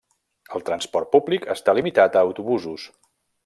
El transport públic està limitat a autobusos.